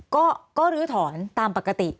ก็ลื้อถอนตามปกติ